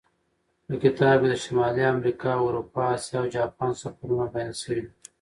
په کتاب کې د شمالي امریکا، اروپا، اسیا او جاپان سفرونه بیان شوي.